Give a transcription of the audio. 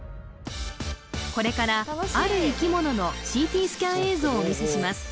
これからある生き物のＣＴスキャン映像をお見せします